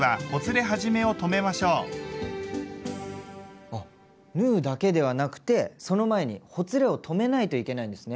まずはあ縫うだけではなくてその前にほつれを止めないといけないんですね？